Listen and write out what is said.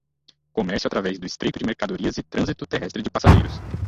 Comércio através do Estreito de mercadorias e trânsito terrestre de passageiros